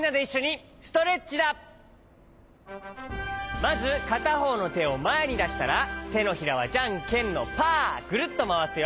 まずかたほうのてをまえにだしたらてのひらはじゃんけんのパーぐるっとまわすよ。